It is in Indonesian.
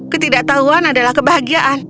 ketidaktahuan adalah kebahagiaan